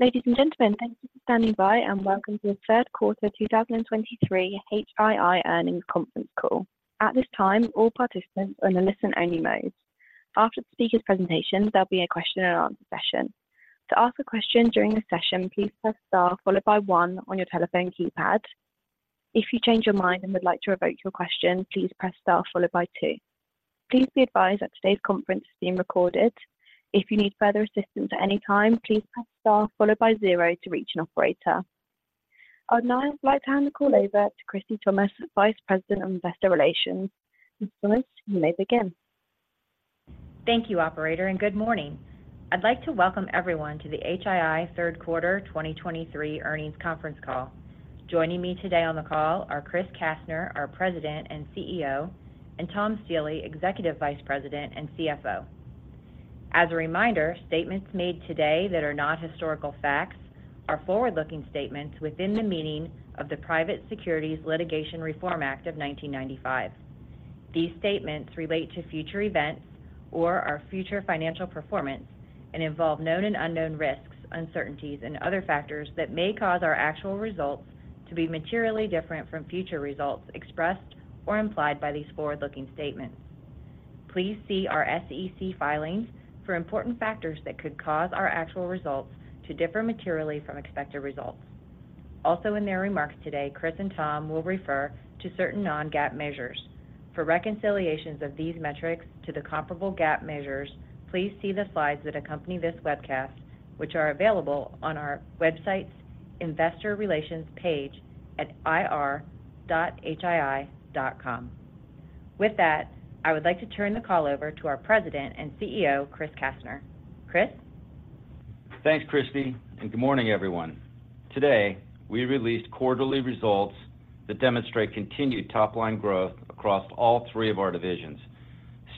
Ladies and gentlemen, thank you for standing by, and welcome to the third quarter 2023 HII Earnings Conference Call. At this time, all participants are in a listen-only mode. After the speaker's presentation, there'll be a question and answer session. To ask a question during the session, please press Star followed by one on your telephone keypad. If you change your mind and would like to revoke your question, please press Star followed by two. Please be advised that today's conference is being recorded. If you need further assistance at any time, please press Star followed by zero to reach an operator. I'd now like to hand the call over to Christie Thomas, Vice President of Investor Relations. Ms. Thomas, you may begin. Thank you, operator, and good morning. I'd like to welcome everyone to the HII third quarter 2023 earnings conference call. Joining me today on the call are Chris Kastner, our President and CEO, and Tom Stiehle, Executive Vice President and CFO. As a reminder, statements made today that are not historical facts are forward-looking statements within the meaning of the Private Securities Litigation Reform Act of 1995. These statements relate to future events or our future financial performance and involve known and unknown risks, uncertainties, and other factors that may cause our actual results to be materially different from future results expressed or implied by these forward-looking statements. Please see our SEC filings for important factors that could cause our actual results to differ materially from expected results. Also, in their remarks today, Chris and Tom will refer to certain non-GAAP measures. For reconciliations of these metrics to the comparable GAAP measures, please see the slides that accompany this webcast, which are available on our website's Investor Relations page at ir.hii.com. With that, I would like to turn the call over to our President and CEO, Chris Kastner. Chris? Thanks, Christie, and good morning, everyone. Today, we released quarterly results that demonstrate continued top-line growth across all three of our divisions,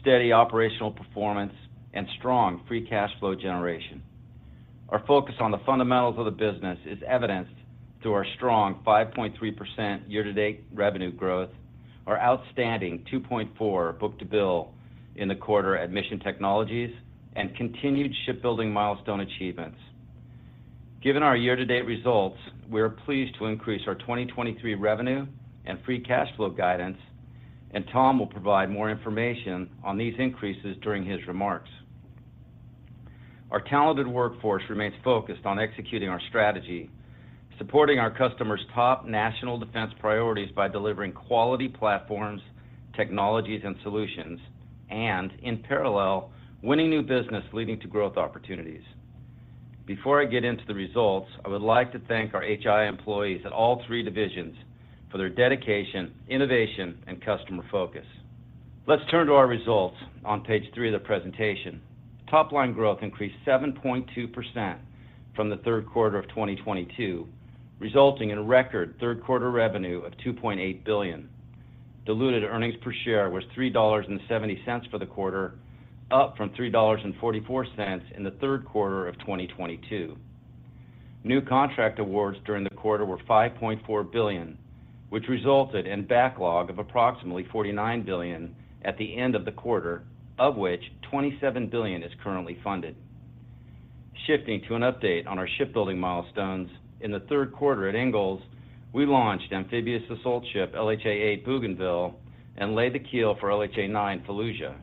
steady operational performance, and strong free cash flow generation. Our focus on the fundamentals of the business is evidenced through our strong 5.3% year-to-date revenue growth, our outstanding 2.4 book-to-bill in the quarter at Mission Technologies, and continued shipbuilding milestone achievements. Given our year-to-date results, we are pleased to increase our 2023 revenue and free cash flow guidance, and Tom will provide more information on these increases during his remarks. Our talented workforce remains focused on executing our strategy, supporting our customers' top national defense priorities by delivering quality platforms, technologies, and solutions, and in parallel, winning new business leading to growth opportunities. Before I get into the results, I would like to thank our HII employees at all three divisions for their dedication, innovation, and customer focus. Let's turn to our results on page three of the presentation. Top-line growth increased 7.2% from the third quarter of 2022, resulting in a record third quarter revenue of $2.8 billion. Diluted earnings per share was $3.70 for the quarter, up from $3.44 in the third quarter of 2022. New contract awards during the quarter were $5.4 billion, which resulted in backlog of approximately $49 billion at the end of the quarter, of which $27 billion is currently funded. Shifting to an update on our shipbuilding milestones, in the third quarter at Ingalls, we launched amphibious assault ship LHA-8, Bougainville, and laid the keel for LHA-9, Fallujah.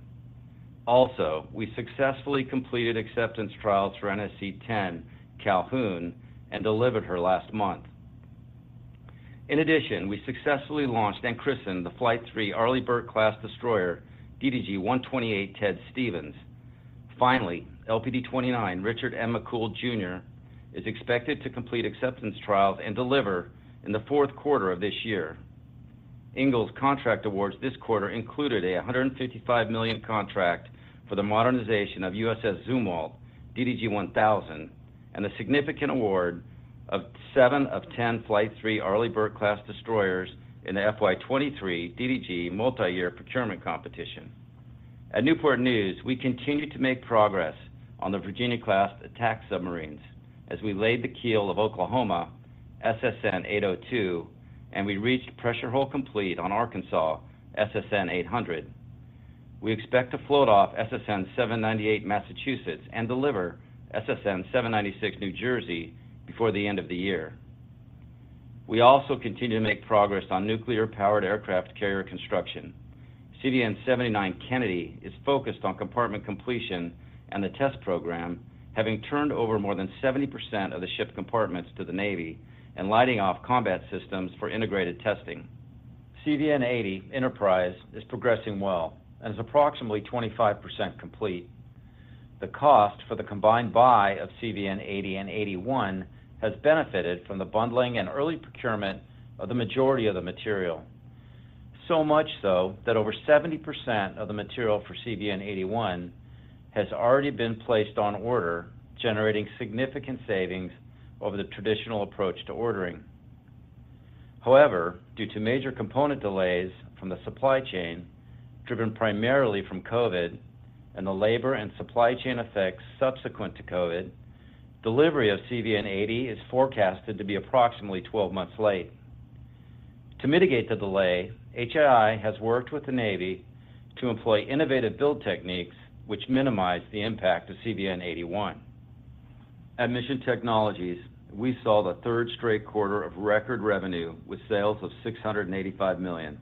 Also, we successfully completed acceptance trials for NSC-10, Calhoun, and delivered her last month. In addition, we successfully launched and christened the Flight III Arleigh Burke-class destroyer, DDG-128, Ted Stevens. Finally, LPD-29, Richard M. McCool Jr., is expected to complete acceptance trials and deliver in the fourth quarter of this year. Ingalls contract awards this quarter included a $155 million contract for the modernization of USS Zumwalt, DDG-1000, and a significant award of seven of ten Flight III Arleigh Burke-class destroyers in the FY 2023 DDG multi-year procurement competition. At Newport News, we continued to make progress on the Virginia-class attack submarines as we laid the keel of Oklahoma, SSN-802, and we reached pressure hull complete on Arkansas, SSN-800. We expect to float off SSN-798, Massachusetts, and deliver SSN-796, New Jersey, before the end of the year. We also continue to make progress on nuclear-powered aircraft carrier construction. CVN-79 Kennedy is focused on compartment completion and the test program, having turned over more than 70% of the ship compartments to the Navy and lighting off combat systems for integrated testing. CVN-80 Enterprise is progressing well and is approximately 25% complete. The cost for the combined buy of CVN-80 and 81 has benefited from the bundling and early procurement of the majority of the material. So much so that over 70% of the material for CVN-81 has already been placed on order, generating significant savings over the traditional approach to ordering. However, due to major component delays from the supply chain, driven primarily from COVID and the labor and supply chain effects subsequent to COVID, delivery of CVN-80 is forecasted to be approximately 12 months late.... To mitigate the delay, HII has worked with the Navy to employ innovative build techniques, which minimize the impact of CVN-81. At Mission Technologies, we saw the third straight quarter of record revenue with sales of $685 million,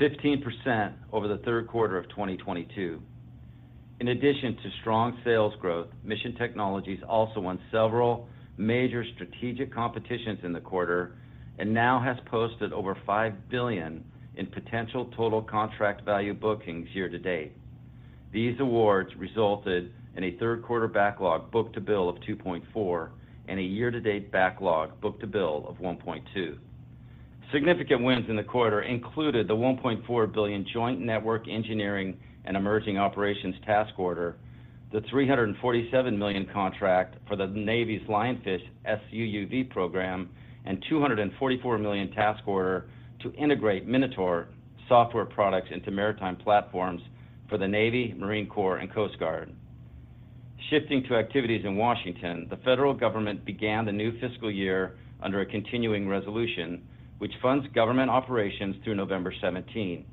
15% over the third quarter of 2022. In addition to strong sales growth, Mission Technologies also won several major strategic competitions in the quarter and now has posted over $5 billion in potential total contract value bookings year-to-date. These awards resulted in a third quarter backlog book-to-bill of 2.4 and a year-to-date backlog book-to-bill of 1.2. Significant wins in the quarter included the $1.4 billion Joint Network Engineering and Emerging Operations task order, the $347 million contract for the Navy's Lionfish SUUV program, and $244 million task order to integrate Minotaur software products into maritime platforms for the Navy, Marine Corps, and Coast Guard. Shifting to activities in Washington, the federal government began the new fiscal year under a continuing resolution, which funds government operations through November 17.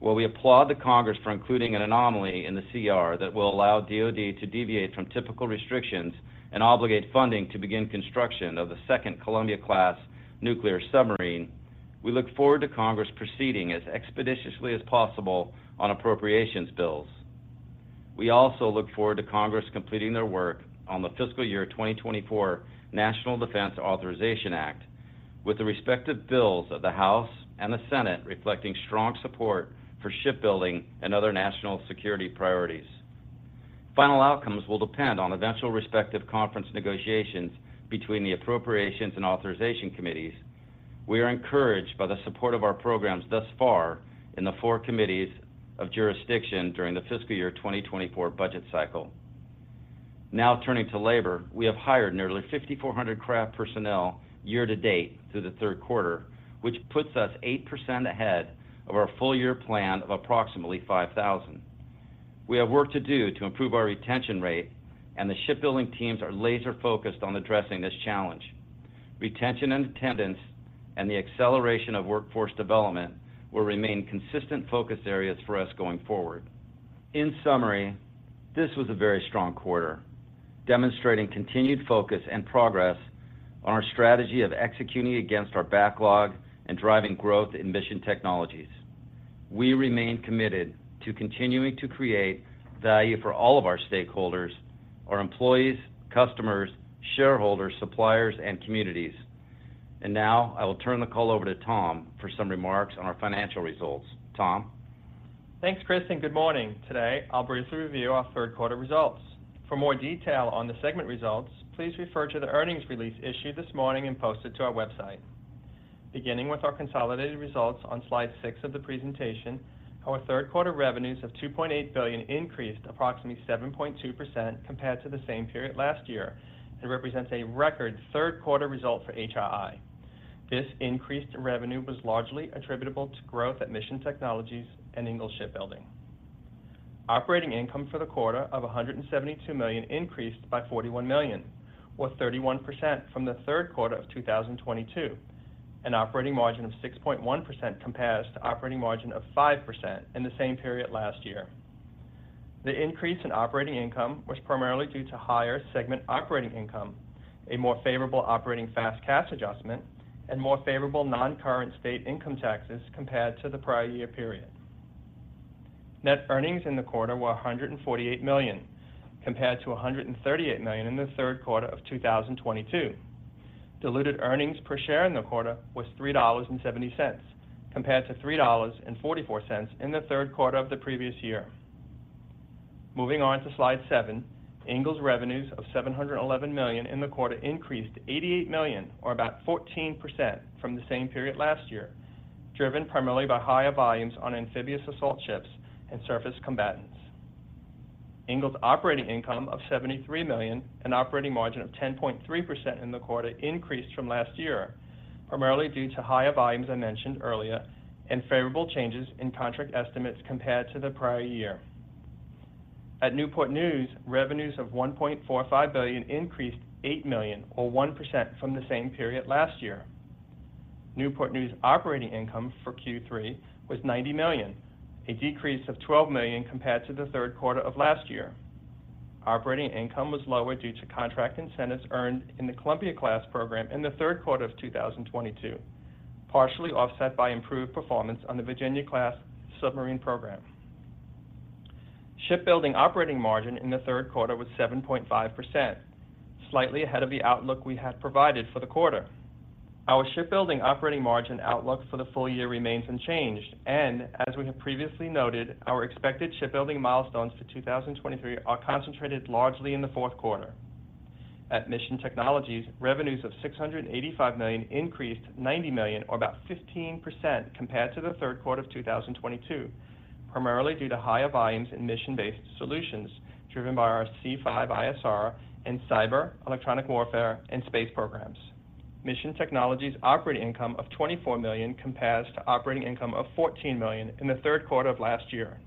While we applaud the Congress for including an anomaly in the CR that will allow DoD to deviate from typical restrictions and obligate funding to begin construction of the second Columbia-class nuclear submarine, we look forward to Congress proceeding as expeditiously as possible on appropriations bills. We also look forward to Congress completing their work on the fiscal year 2024 National Defense Authorization Act, with the respective bills of the House and the Senate reflecting strong support for shipbuilding and other national security priorities. Final outcomes will depend on eventual respective conference negotiations between the Appropriations and Authorization Committees. We are encouraged by the support of our programs thus far in the four committees of jurisdiction during the fiscal year 2024 budget cycle. Now, turning to labor, we have hired nearly 5,400 craft personnel year-to-date through the third quarter, which puts us 8% ahead of our full-year plan of approximately 5,000. We have work to do to improve our retention rate, and the shipbuilding teams are laser-focused on addressing this challenge. Retention and attendance, and the acceleration of workforce development will remain consistent focus areas for us going forward. In summary, this was a very strong quarter, demonstrating continued focus and progress on our strategy of executing against our backlog and driving growth in Mission Technologies. We remain committed to continuing to create value for all of our stakeholders, our employees, customers, shareholders, suppliers, and communities. Now, I will turn the call over to Tom for some remarks on our financial results. Tom? Thanks, Chris, and good morning. Today, I'll briefly review our third quarter results. For more detail on the segment results, please refer to the earnings release issued this morning and post it to our website. Beginning with our consolidated results on slide six of the presentation, our third quarter revenues of $2.8 billion increased approximately 7.2% compared to the same period last year, and represents a record third quarter result for HII. This increase in revenue was largely attributable to growth at Mission Technologies and Ingalls Shipbuilding. Operating income for the quarter of $172 million increased by $41 million, or 31% from the third quarter of 2022, an operating margin of 6.1% compared to operating margin of 5% in the same period last year. The increase in operating income was primarily due to higher segment operating income, a more favorable operating FAS/CAS adjustment, and more favorable non-current state income taxes compared to the prior year period. Net earnings in the quarter were $148 million, compared to $138 million in the third quarter of 2022. Diluted earnings per share in the quarter was $3.70, compared to $3.44 in the third quarter of the previous year. Moving on to Slide seven, Ingalls revenues of $711 million in the quarter increased to $88 million, or about 14% from the same period last year, driven primarily by higher volumes on amphibious assault ships and surface combatants. Ingalls' operating income of $73 million, an operating margin of 10.3% in the quarter, increased from last year, primarily due to higher volumes I mentioned earlier, and favorable changes in contract estimates compared to the prior year. At Newport News, revenues of $1.45 billion increased $8 million or 1% from the same period last year. Newport News operating income for Q3 was $90 million, a decrease of $12 million compared to the third quarter of last year. Operating income was lower due to contract incentives earned in the Columbia-class program in the third quarter of 2022, partially offset by improved performance on the Virginia-class submarine program. Shipbuilding operating margin in the third quarter was 7.5%, slightly ahead of the outlook we had provided for the quarter. Our shipbuilding operating margin outlook for the full year remains unchanged, and as we have previously noted, our expected shipbuilding milestones for 2023 are concentrated largely in the fourth quarter. At Mission Technologies, revenues of $685 million increased $90 million or about 15% compared to the third quarter of 2022, primarily due to higher volumes in Mission Based Solutions driven by our C5ISR and Cyber, Electronic Warfare, and Space programs. Mission Technologies' operating income of $24 million compares to operating income of $14 million in the third quarter of last year.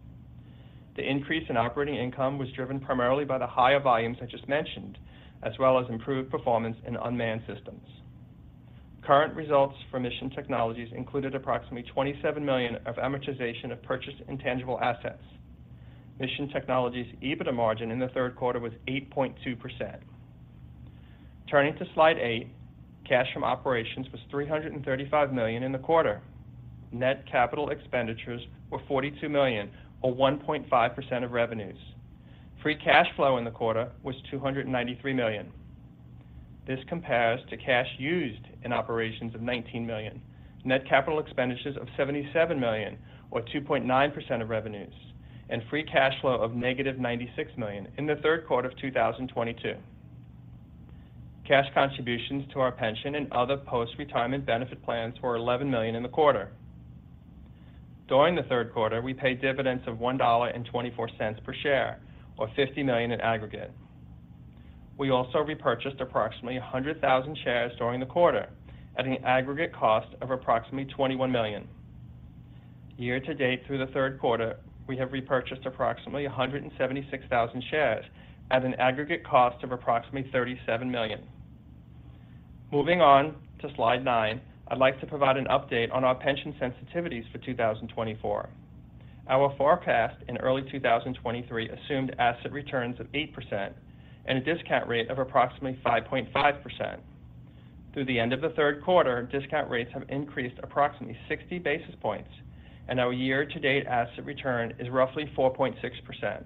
The increase in operating income was driven primarily by the higher volumes I just mentioned, as well as improved performance in unmanned systems. Current results for Mission Technologies included approximately $27 million of amortization of purchased intangible assets. Mission Technologies EBITDA margin in the third quarter was 8.2%. Turning to Slide eight, cash from operations was $335 million in the quarter. Net capital expenditures were $42 million, or 1.5% of revenues. Free cash flow in the quarter was $293 million. This compares to cash used in operations of $19 million, net capital expenditures of $77 million, or 2.9% of revenues, and free cash flow of -$96 million in the third quarter of 2022. Cash contributions to our pension and other post-retirement benefit plans were $11 million in the quarter. During the third quarter, we paid dividends of $1.24 per share, or $50 million in aggregate. We also repurchased approximately 100,000 shares during the quarter, at an aggregate cost of approximately $21 million. Year to date, through the third quarter, we have repurchased approximately 176,000 shares at an aggregate cost of approximately $37 million. Moving on to Slide nine, I'd like to provide an update on our pension sensitivities for 2024. Our forecast in early 2023 assumed asset returns of 8% and a discount rate of approximately 5.5%. Through the end of the third quarter, discount rates have increased approximately 60 basis points, and our year-to-date asset return is roughly 4.6%.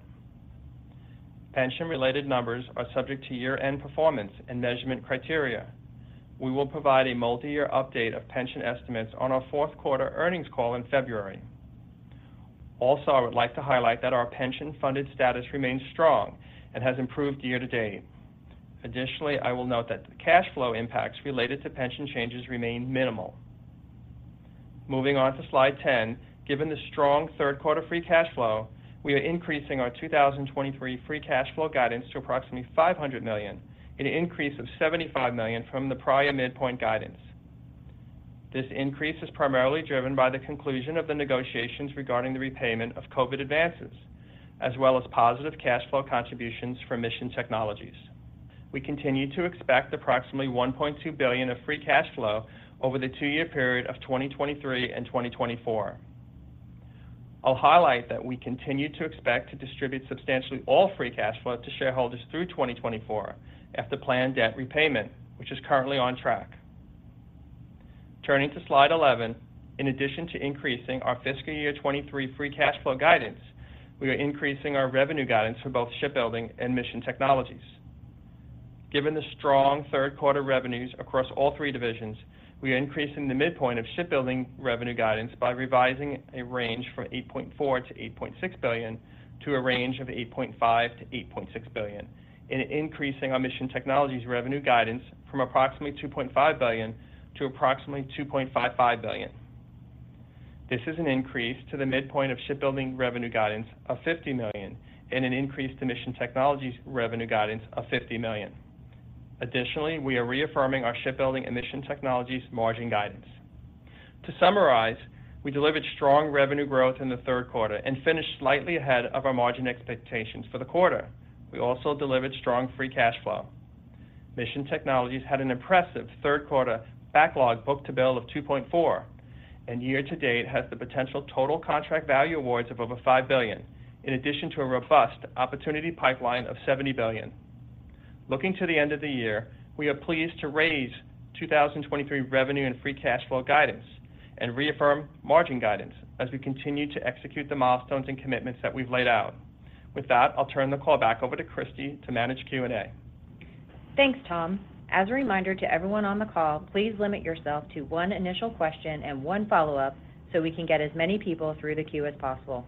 Pension-related numbers are subject to year-end performance and measurement criteria. We will provide a multi-year update of pension estimates on our fourth quarter earnings call in February. Also, I would like to highlight that our pension-funded status remains strong and has improved year to date. Additionally, I will note that the cash flow impacts related to pension changes remain minimal. Moving on to Slide 10, given the strong third quarter free cash flow, we are increasing our 2023 free cash flow guidance to approximately $500 million, an increase of $75 million from the prior midpoint guidance. This increase is primarily driven by the conclusion of the negotiations regarding the repayment of COVID advances, as well as positive cash flow contributions from Mission Technologies. We continue to expect approximately $1.2 billion of free cash flow over the two-year period of 2023 and 2024. I'll highlight that we continue to expect to distribute substantially all free cash flow to shareholders through 2024 after planned debt repayment, which is currently on track. Turning to Slide 11, in addition to increasing our fiscal year 2023 free cash flow guidance, we are increasing our revenue guidance for both shipbuilding and Mission Technologies. Given the strong third quarter revenues across all three divisions, we are increasing the midpoint of shipbuilding revenue guidance by revising a range from $8.4 billion-$8.6 billion, to a range of $8.5 billion-$8.6 billion, and increasing our Mission Technologies revenue guidance from approximately $2.5 billion to approximately $2.55 billion. This is an increase to the midpoint of shipbuilding revenue guidance of $50 million and an increase to Mission Technologies revenue guidance of $50 million. Additionally, we are reaffirming our shipbuilding and Mission Technologies margin guidance. To summarize, we delivered strong revenue growth in the third quarter and finished slightly ahead of our margin expectations for the quarter. We also delivered strong free cash flow. Mission Technologies had an impressive third quarter backlog book-to-bill of 2.4, and year to date has the potential total contract value awards of over $5 billion, in addition to a robust opportunity pipeline of $70 billion. Looking to the end of the year, we are pleased to raise 2023 revenue and free cash flow guidance and reaffirm margin guidance as we continue to execute the milestones and commitments that we've laid out. With that, I'll turn the call back over to Christie to manage Q&A. Thanks, Tom. As a reminder to everyone on the call, please limit yourself to one initial question and one follow-up so we can get as many people through the queue as possible.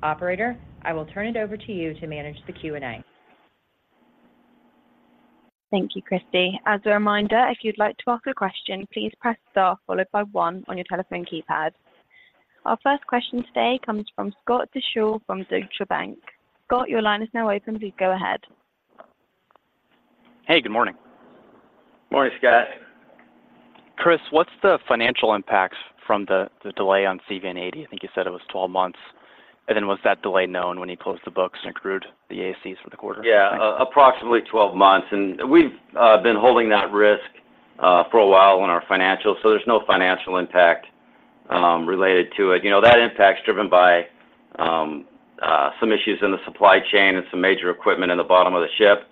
Operator, I will turn it over to you to manage the Q&A. Thank you, Christie. As a reminder, if you'd like to ask a question, please press star followed by one on your telephone keypad. Our first question today comes from Scott Deuschle from Deutsche Bank. Scott, your line is now open. Please go ahead. Hey, good morning. Morning, Scott. Chris, what's the financial impact from the delay on CVN-80? I think you said it was 12 months. And then was that delay known when you closed the books and accrued the EACs for the quarter? Yeah, approximately 12 months, and we've been holding that risk for a while on our financials, so there's no financial impact related to it. You know, that impact is driven by some issues in the supply chain and some major equipment in the bottom of the ship,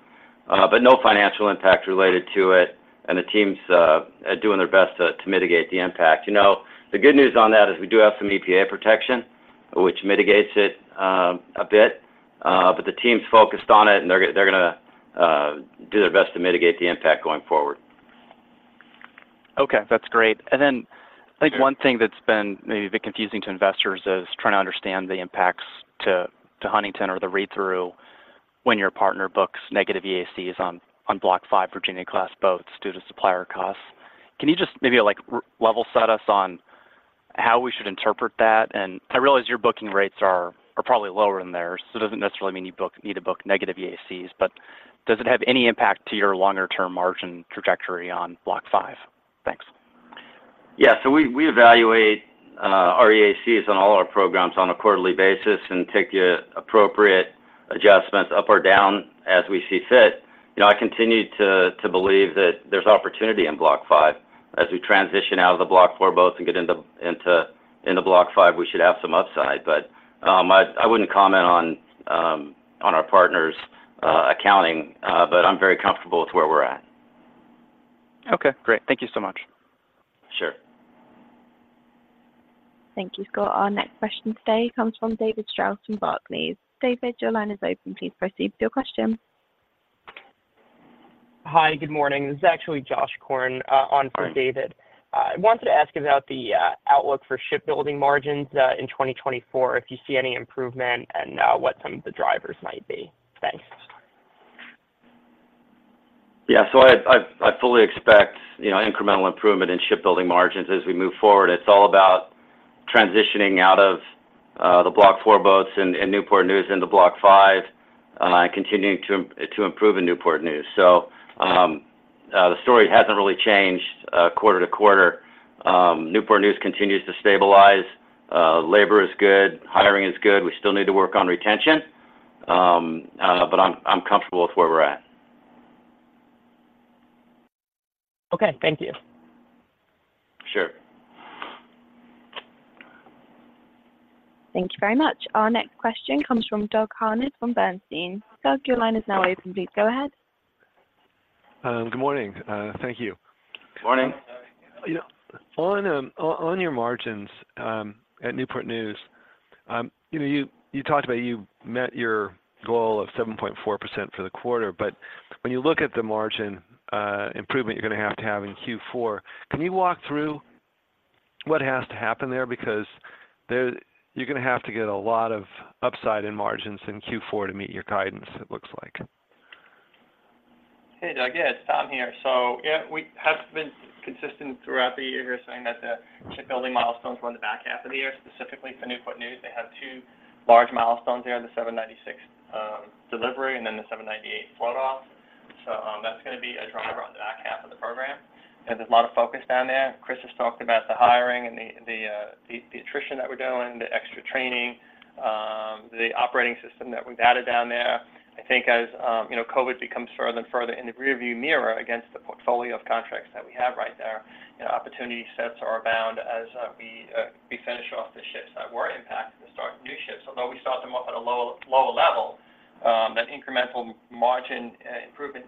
but no financial impact related to it, and the teams are doing their best to mitigate the impact. You know, the good news on that is we do have some EPA protection, which mitigates it a bit, but the team's focused on it, and they're gonna do their best to mitigate the impact going forward. Okay, that's great. And then I think one thing that's been maybe a bit confusing to investors is trying to understand the impacts to Huntington or the read-through when your partner books negative EACs on Block V Virginia-class boats due to supplier costs. Can you just maybe, like, level set us on how we should interpret that? And I realize your booking rates are probably lower than theirs, so it doesn't necessarily mean you need to book negative EACs, but does it have any impact to your longer-term margin trajectory on Block V? Thanks. Yeah, so we evaluate our EACs on all our programs on a quarterly basis and take the appropriate adjustments up or down as we see fit. You know, I continue to believe that there's opportunity in Block V. As we transition out of the Block VI boats and get into Block V, we should have some upside. But I wouldn't comment on our partners' accounting, but I'm very comfortable with where we're at. Okay, great. Thank you so much. Sure. Thank you, Scott. Our next question today comes from David Strauss from Barclays. David, your line is open. Please proceed with your question. Hi, good morning. This is actually Josh Korn, on for David. Hi. I wanted to ask about the outlook for shipbuilding margins in 2024, if you see any improvement and what some of the drivers might be. Thanks. Yeah, so I fully expect, you know, incremental improvement in shipbuilding margins as we move forward. It's all about transitioning out of the Block Four boats in Newport News into Block Five and continuing to improve in Newport News. So, the story hasn't really changed, quarter to quarter. Newport News continues to stabilize. Labor is good, hiring is good. We still need to work on retention, but I'm comfortable with where we're at. Okay. Thank you. Sure. Thank you very much. Our next question comes from Doug Harned from Bernstein. Doug, your line is now open. Please go ahead. Good morning, thank you. Good morning. You know, on your margins at Newport News, you know, you talked about you met your goal of 7.4% for the quarter, but when you look at the margin improvement you're going to have to have in Q4, can you walk through what has to happen there? Because you're going to have to get a lot of upside in margins in Q4 to meet your guidance, it looks like. Hey, Doug. Yeah, it's Tom here. So yeah, we have been consistent throughout the year here, saying that the shipbuilding milestones were in the back half of the year, specifically for Newport News. They have two large milestones there, the 796 delivery and then the 798 float off. So, that's going to be a driver on the back half of the program, and there's a lot of focus down there. Chris just talked about the hiring and the attrition that we're doing, the extra training, the operating system that we've added down there. I think as you know, COVID becomes further and further in the rearview mirror against the portfolio of contracts that we have right there, you know, opportunity sets are abound as we finish off the ships that were impacted and start new ships. Although we start them off at a lower level, that incremental margin improvement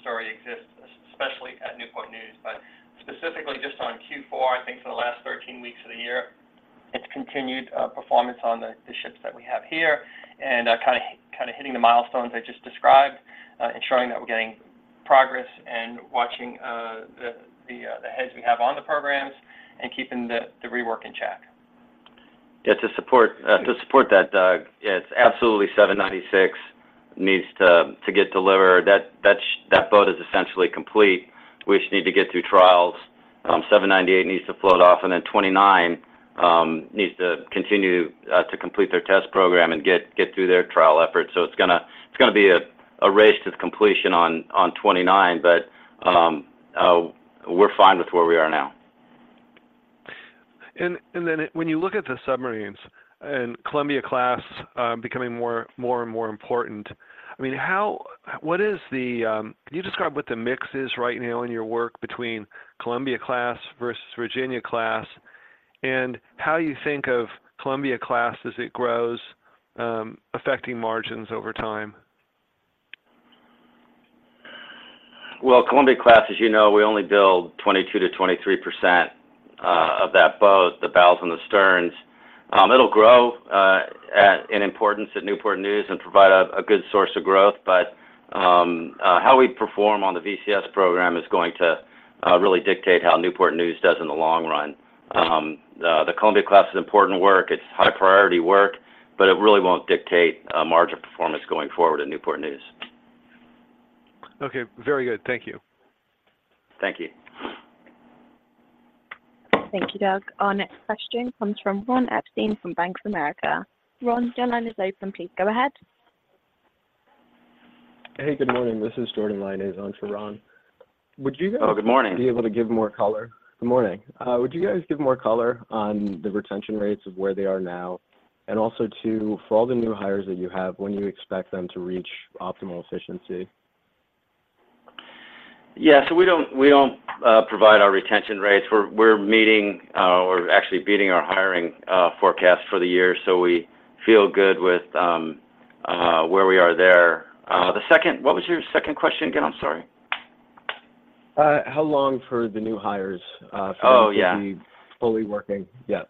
story exists, especially at Newport News. But specifically just on Q4, I think for the last 13 weeks of the year, it's continued performance on the ships that we have here and kind of hitting the milestones I just described, ensuring that we're getting progress and watching the heads we have on the programs and keeping the rework in check. Yeah, to support, to support that, Doug, it's absolutely 796 needs to get delivered. That, that boat is essentially complete. We just need to get through trials. 798 needs to float off, and then 29 needs to continue to complete their test program and get through their trial efforts. So it's gonna be a race to completion on 29, but we're fine with where we are now. And then when you look at the submarines and Columbia-class becoming more and more important, I mean, how... What is the, can you describe what the mix is right now in your work between Columbia-class versus Virginia-class, and how you think of Columbia-class as it grows affecting margins over time? Well, Columbia-class, as you know, we only build 22%-23% of that boat, the bows and the sterns. It'll grow in importance at Newport News and provide a good source of growth. But how we perform on the VCS program is going to really dictate how Newport News does in the long run. The Columbia-class is important work, it's high priority work, but it really won't dictate margin performance going forward at Newport News. Okay, very good. Thank you. Thank you. Thank you, Doug. Our next question comes from Ron Epstein from Bank of America. Ron, your line is open. Please go ahead. Hey, good morning. This is Jordan Linus on for Ron. Would you guys- Oh, good morning. Good morning. Would you guys give more color on the retention rates of where they are now? And also, too, for all the new hires that you have, when do you expect them to reach optimal efficiency? Yeah, so we don't, we don't provide our retention rates. We're meeting, or actually beating our hiring forecast for the year, so we feel good with where we are there. The second—what was your second question again? I'm sorry. How long for the new hires, to- Oh, yeah Be fully working? Yeah.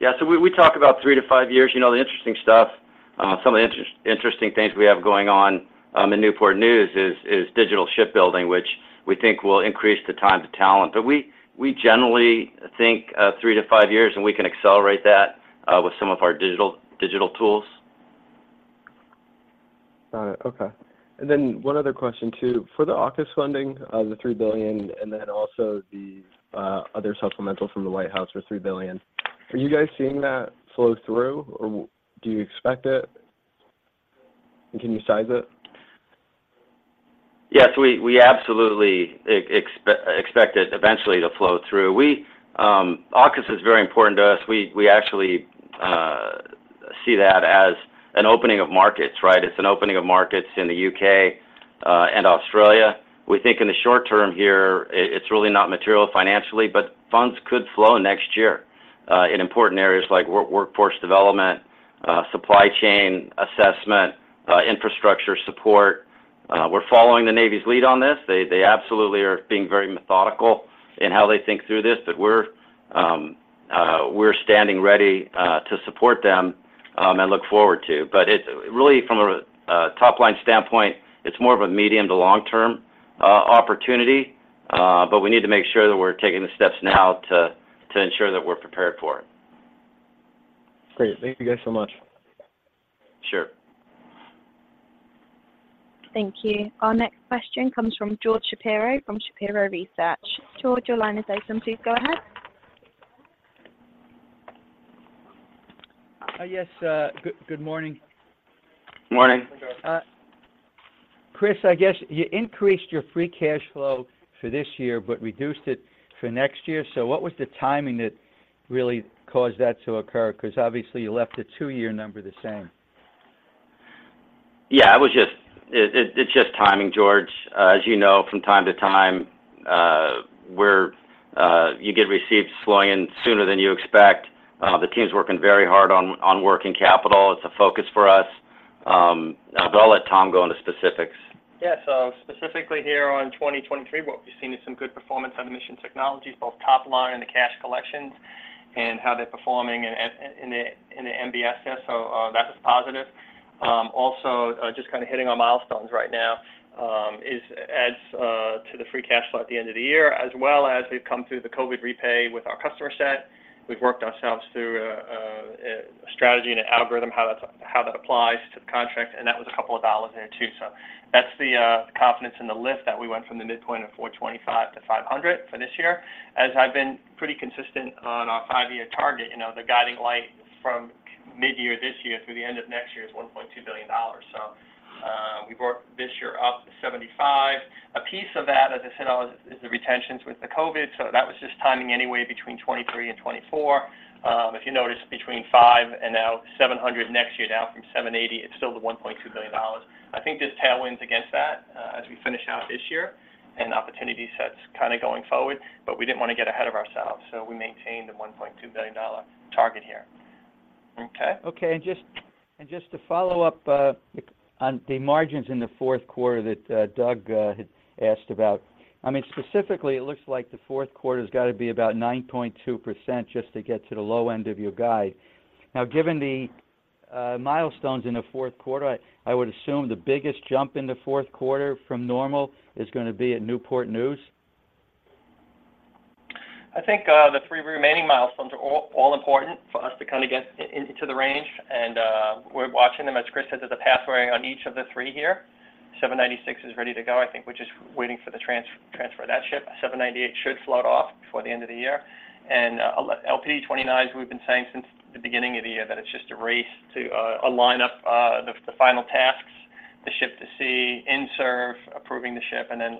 Yeah, so we talk about three to five years. You know, the interesting stuff, some of the interesting things we have going on in Newport News is digital shipbuilding, which we think will increase the time to talent. But we generally think three to five years, and we can accelerate that with some of our digital tools. Got it. Okay. And then one other question, too: For the AUKUS funding, $3 billion, and then also the other supplemental from the White House for $3 billion, are you guys seeing that flow through, or do you expect it, and can you size it? Yes, we absolutely expect it eventually to flow through. AUKUS is very important to us. We actually see that as an opening of markets, right? It's an opening of markets in the U.K. and Australia. We think in the short term here, it's really not material financially, but funds could flow next year in important areas like workforce development, supply chain assessment, infrastructure support. We're following the Navy's lead on this. They absolutely are being very methodical in how they think through this, but we're standing ready to support them and look forward to. But it's really from a top-line standpoint, it's more of a medium to long-term opportunity, but we need to make sure that we're taking the steps now to ensure that we're prepared for it. Great. Thank you guys so much. Sure. Thank you. Our next question comes from George Shapiro from Shapiro Research. George, your line is open. Please go ahead. Good morning. Morning. Chris, I guess you increased your free cash flow for this year, but reduced it for next year. So what was the timing that really caused that to occur? Because obviously, you left the two-year number the same. Yeah, it was just it, it's just timing, George. As you know, from time to time, where you get receipts flowing in sooner than you expect. The team's working very hard on working capital. It's a focus for us. But I'll let Tom go into specifics. Yeah, so specifically here on 2023, what we've seen is some good performance on Mission Technologies, both top line and the cash collections, and how they're performing in the MBS. So, that is positive. Also, just kind of hitting on milestones right now is adds to the free cash flow at the end of the year, as well as we've come through the COVID repay with our customer set. We've worked ourselves through a strategy and an algorithm, how that's how that applies to the contract, and that was a couple of dollars there, too. So that's the confidence in the lift that we went from the midpoint of $425-$500 for this year. As I've been pretty consistent on our five-year target, you know, the guiding light from mid-year this year through the end of next year is $1.2 billion. So, we brought this year up to $75. A piece of that, as I said, all is the retentions with the COVID, so that was just timing anyway, between 2023 and 2024. If you notice between five and now $700 next year, down from $780, it's still the $1.2 billion. I think there's tailwinds against that, as we finish out this year and opportunity sets kind of going forward, but we didn't want to get ahead of ourselves, so we maintained the $1.2 billion target here. Okay? Okay. And just, and just to follow up, on the margins in the fourth quarter that, Doug, had asked about. I mean, specifically, it looks like the fourth quarter's got to be about 9.2% just to get to the low end of your guide. Now, given the, milestones in the fourth quarter, I, I would assume the biggest jump in the fourth quarter from normal is gonna be at Newport News? I think the three remaining milestones are all important for us to kind of get into the range, and we're watching them. As Chris said, there's a pathway on each of the three here. 796 is ready to go, I think we're just waiting for the transfer of that ship. 798 should float off before the end of the year. And LPD-29, as we've been saying since the beginning of the year, that it's just a race to align up the final tasks, the ship to sea, in-service, approving the ship, and then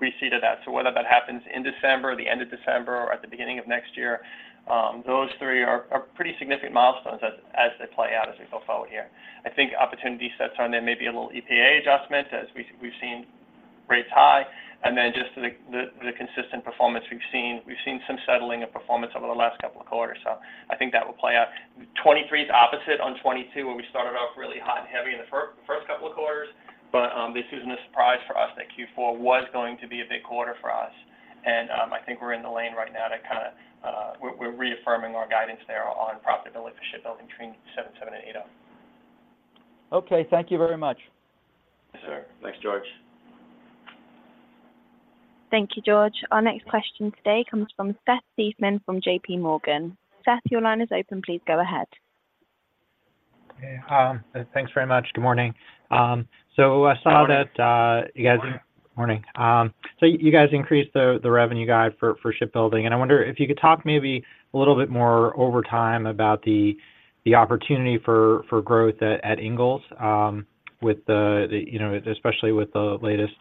we see to that. So whether that happens in December or the end of December or at the beginning of next year, those three are pretty significant milestones as they play out, as we go forward here. I think opportunity sets on there may be a little EPA adjustment, as we, we've seen rates high, and then just the consistent performance we've seen. We've seen some settling of performance over the last couple of quarters, so I think that will play out. 2023 is opposite on 2022, where we started off really hot and heavy in the first couple of quarters. But this isn't a surprise for us that Q4 was going to be a big quarter for us, and I think we're in the lane right now to kind of... We're reaffirming our guidance there on profitability for shipbuilding between seven and eight up. Okay. Thank you very much. Yes, sir. Thanks, George. Thank you, George. Our next question today comes from Seth Seifman from JPMorgan. Seth, your line is open. Please go ahead. Hey, thanks very much. Good morning. So I saw that- Good morning. Morning. So you guys increased the revenue guide for shipbuilding, and I wonder if you could talk maybe a little bit more over time about the opportunity for growth at Ingalls, you know, especially with the latest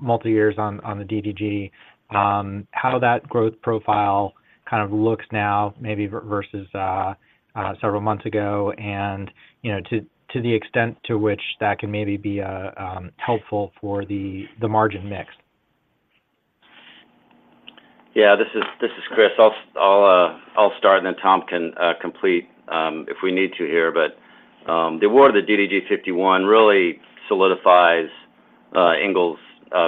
multi-years on the DDG, how that growth profile kind of looks now, maybe versus several months ago, and, you know, to the extent to which that can maybe be helpful for the margin mix? Yeah, this is Chris. I'll start, and then Tom can complete if we need to here. But the award of the DDG-51 really solidifies Ingalls'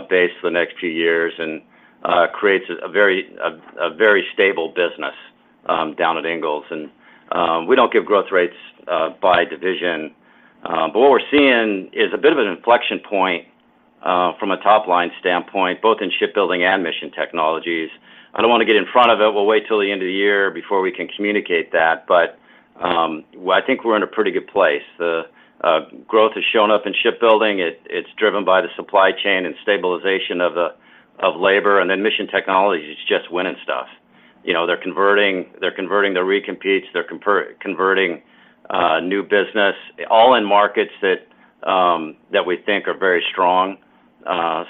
base for the next few years and creates a very stable business down at Ingalls. And we don't give growth rates by division, but what we're seeing is a bit of an inflection point from a top-line standpoint, both in shipbuilding and Mission Technologies. I don't want to get in front of it. We'll wait till the end of the year before we can communicate that, but well, I think we're in a pretty good place. The growth has shown up in shipbuilding. It's driven by the supply chain and stabilization of labor, and then Mission Technologies is just winning stuff. You know, they're converting their recompetes, converting new business, all in markets that we think are very strong.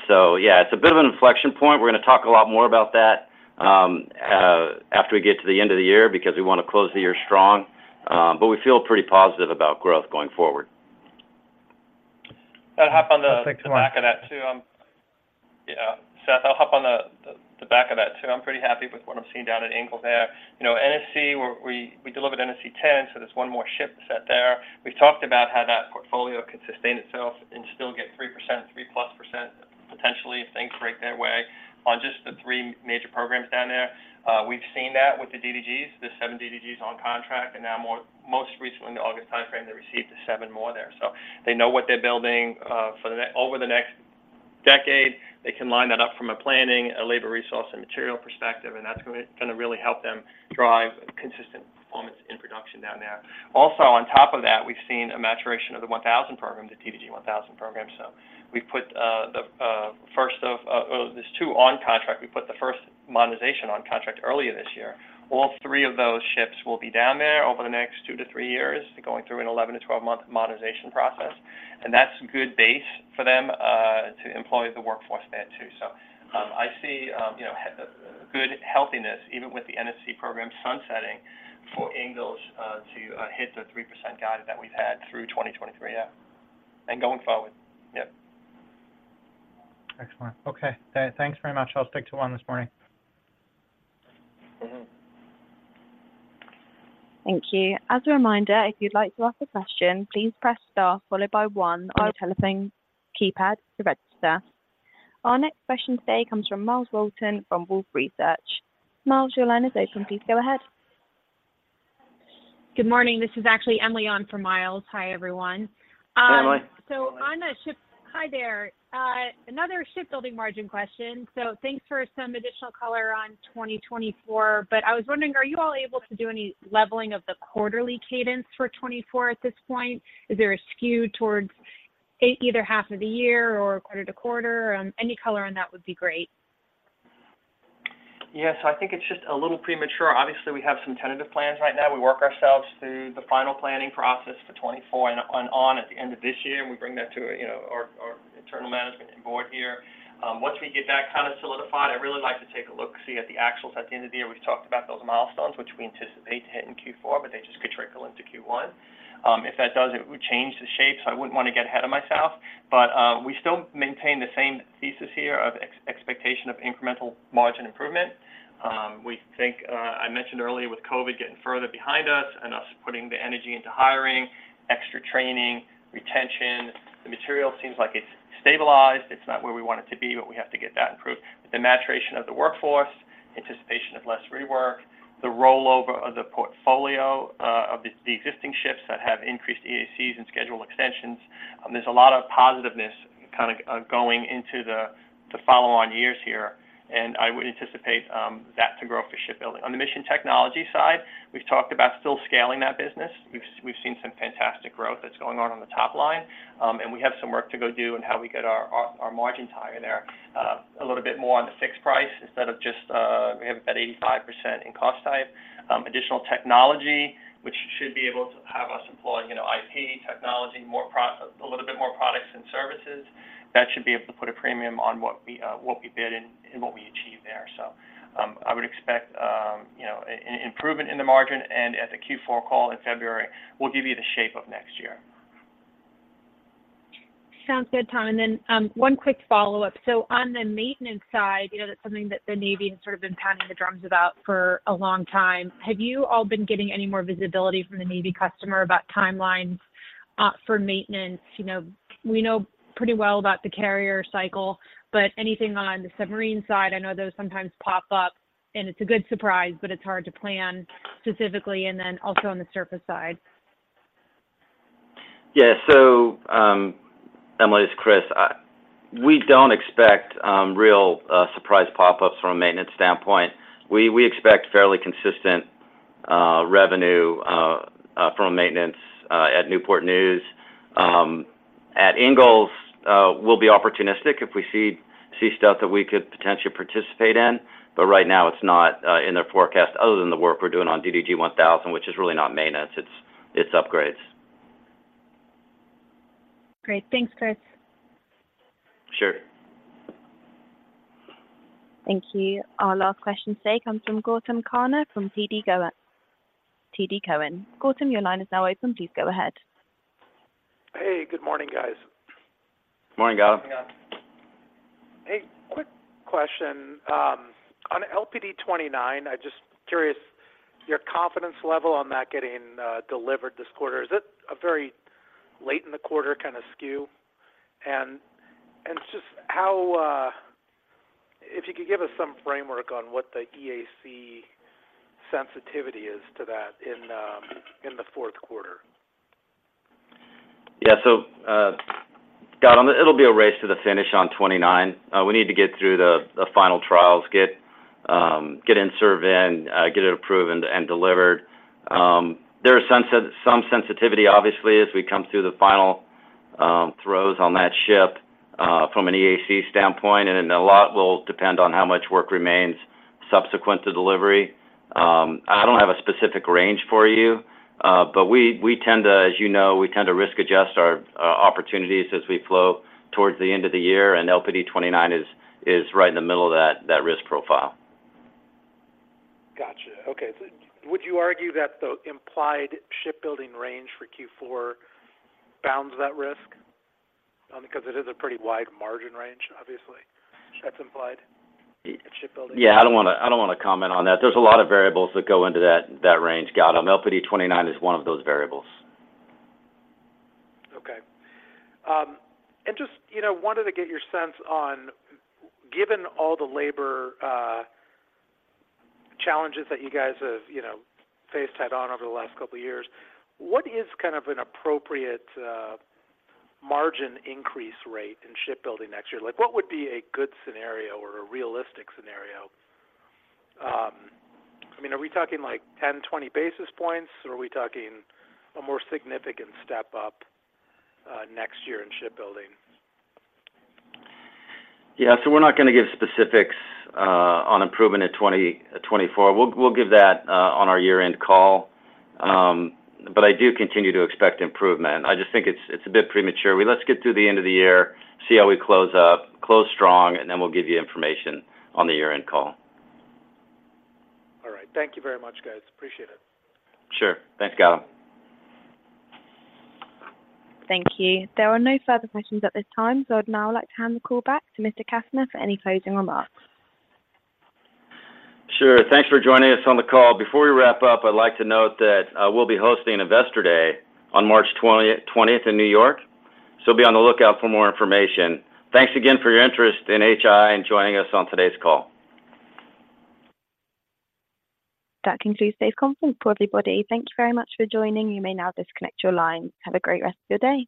So yeah, it's a bit of an inflection point. We're gonna talk a lot more about that after we get to the end of the year, because we want to close the year strong. But we feel pretty positive about growth going forward. I'd hop on the back of that, too. Yeah, Seth, I'll hop on the back of that, too. I'm pretty happy with what I'm seeing down at Ingalls there. You know, NSC, where we delivered NSC-10, so there's one more ship set there. We've talked about how that portfolio could sustain itself and still get 3%, 3%+, potentially, if things break their way on just the three major programs down there. We've seen that with the DDGs, the seven DDGs on contract, and now, most recently, in the August timeframe, they received the seven more there. So they know what they're building for the next decade. They can line that up from a planning, labor, resource, and material perspective, and that's gonna really help them drive consistent performance in production down there. Also, on top of that, we've seen a maturation of the 1000 program, the DDG-1000 program. So we put the first of, there's two on contract. We put the first modernization on contract earlier this year. All three of those ships will be down there over the next two to three years, going through an 11-12-month modernization process, and that's good base for them to employ the workforce there, too. So I see you know a good healthiness, even with the NSC program sunsetting for Ingalls to hit the 3% guide that we've had through 2023, yeah, and going forward. Yep. Excellent. Okay. Thanks very much. I'll stick to one this morning. Mm-hmm. Thank you. As a reminder, if you'd like to ask a question, please press star followed by one on your telephone keypad to register. Our next question today comes from Miles Walton from Wolfe Research. Miles, your line is open. Please go ahead. Good morning. This is actually Emily on for Miles. Hi, everyone. Hi, Emily. Another shipbuilding margin question. So thanks for some additional color on 2024, but I was wondering, are you all able to do any leveling of the quarterly cadence for 2024 at this point? Is there a skew towards either half of the year or quarter to quarter? Any color on that would be great. Yes, I think it's just a little premature. Obviously, we have some tentative plans right now. We work ourselves through the final planning process for 2024 and on, on at the end of this year, and we bring that to, you know, our, our internal management and board here. Once we get that kind of solidified, I'd really like to take a look, see at the actuals at the end of the year. We've talked about those milestones, which we anticipate to hit in Q4, but they just could trickle into Q1. If that does, it would change the shape, so I wouldn't want to get ahead of myself. But, we still maintain the same thesis here of expectation of incremental margin improvement. We think, I mentioned earlier with COVID getting further behind us and us putting the energy into hiring, extra training, retention, the material seems like it's stabilized. It's not where we want it to be, but we have to get that improved. The maturation of the workforce, anticipation of less rework, the rollover of the portfolio, of the existing ships that have increased EACs and schedule extensions. There's a lot of positiveness kind of going into the follow-on years here, and I would anticipate that to grow for shipbuilding. On the mission technology side, we've talked about still scaling that business. We've, we've seen some fantastic growth that's going on on the top line, and we have some work to go do in how we get our, our, our margin higher there, a little bit more on the fixed price instead of just, we have about 85% in cost type. Additional technology, which should be able to have us employ, you know, IP technology, more a little bit more products and services. That should be able to put a premium on what we, what we bid and, and what we achieve there. So, I would expect, you know, improvement in the margin, and at the Q4 call in February, we'll give you the shape of next year. Sounds good, Tom. One quick follow-up. So on the maintenance side, you know, that's something that the Navy has sort of been pounding the drums about for a long time. Have you all been getting any more visibility from the Navy customer about timelines for maintenance? You know, we know pretty well about the carrier cycle, but anything on the submarine side, I know those sometimes pop up, and it's a good surprise, but it's hard to plan specifically, and then also on the surface side. Yeah. So, Emily, it's Chris. We don't expect real surprise pop-ups from a maintenance standpoint. We expect fairly consistent revenue from maintenance at Newport News. At Ingalls, we'll be opportunistic if we see stuff that we could potentially participate in, but right now it's not in the forecast other than the work we're doing on DDG-1000, which is really not maintenance, it's upgrades. Great. Thanks, Chris. Sure. Thank you. Our last question today comes from Gautam Khanna from TD Cowen. Gautam, your line is now open. Please go ahead. Hey, good morning, guys. Morning, Gautam. Morning, Gautam. Hey, quick question. On LPD-29, I'm just curious, your confidence level on that getting delivered this quarter, is it a very late in the quarter kind of skew? And just how, if you could give us some framework on what the EAC sensitivity is to that in the fourth quarter. Yeah. So, Gautam, it'll be a race to the finish on 29. We need to get through the final trials, get in service and get it approved and delivered. There are some sensitivity, obviously, as we come through the final throes on that ship. From an EAC standpoint, and then a lot will depend on how much work remains subsequent to delivery. I don't have a specific range for you, but we, as you know, we tend to risk adjust our opportunities as we flow towards the end of the year, and LPD-29 is right in the middle of that risk profile. Got you. Okay. So would you argue that the implied shipbuilding range for Q4 bounds that risk? Because it is a pretty wide margin range, obviously, that's implied in shipbuilding. Yeah, I don't wanna, I don't wanna comment on that. There's a lot of variables that go into that, that range, Gautam. LPD-29 is one of those variables. Okay. And just, you know, wanted to get your sense on, given all the labor challenges that you guys have, you know, faced head on over the last couple of years, what is kind of an appropriate margin increase rate in shipbuilding next year? Like, what would be a good scenario or a realistic scenario? I mean, are we talking like 10, 20 basis points, or are we talking a more significant step up next year in shipbuilding? Yeah, so we're not gonna give specifics on improvement in 2024. We'll give that on our year-end call. But I do continue to expect improvement. I just think it's a bit premature. Let's get through the end of the year, see how we close up, close strong, and then we'll give you information on the year-end call. All right. Thank you very much, guys. Appreciate it. Sure. Thanks, Gautam. Thank you. There are no further questions at this time, so I'd now like to hand the call back to Mr. Kastner for any closing remarks. Sure. Thanks for joining us on the call. Before we wrap up, I'd like to note that we'll be hosting Investor Day on March 20th in New York. So be on the lookout for more information. Thanks again for your interest in HII and joining us on today's call. That concludes today's conference for everybody. Thank you very much for joining. You may now disconnect your line. Have a great rest of your day!